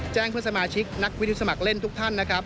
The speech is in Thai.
เพื่อนสมาชิกนักวิทยุสมัครเล่นทุกท่านนะครับ